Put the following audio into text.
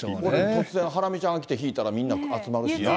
突然はらみちゃんが来て弾いたらみんな集まるしな。